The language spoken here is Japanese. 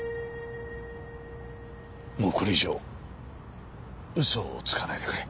もうこれ以上嘘をつかないでくれ。